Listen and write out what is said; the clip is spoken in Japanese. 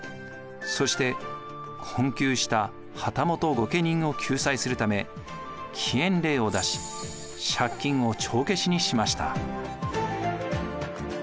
そして困窮した旗本御家人を救済するため棄捐令を出し借金を帳消しにしました。